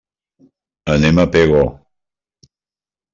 Anem a Pego.